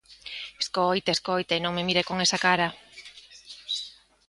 Escoite, escoite, e non me mire con esa cara.